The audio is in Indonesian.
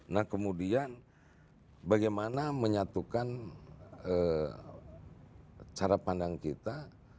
nah kemudian bagaimana menyatukan cara pandang kita